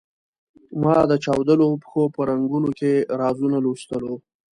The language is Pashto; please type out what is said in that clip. ما د چاودلو پښو په رنګونو کې رازونه لوستلو.